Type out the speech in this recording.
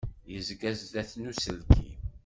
Yezga sdat n uselkim.